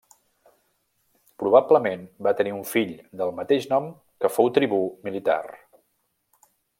Probablement va tenir un fill del mateix nom que fou tribú militar.